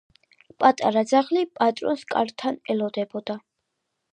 პატარა ძაღლი პატრონს კართან ელოდებოდა.